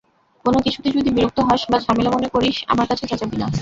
কোনো কিছুতে যদি বিরক্ত হস বা ঝামেলা মনে করিস, আমার কাছে চেঁচাবি না।